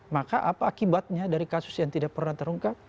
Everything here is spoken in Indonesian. maka apa akibatnya dari kasus yang tidak pernah terungkap